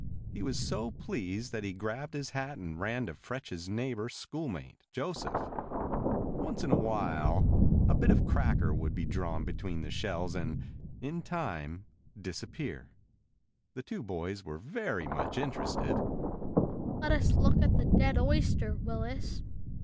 He was so pleased that he grabbed his hat and ran to fetch his neighbor schoolmate, Joseph. Once in a while a bit of cracker would be drawn between the shells and, in time, disappear. The two boys were very much interested. "Let us look at the dead oyster, Willis."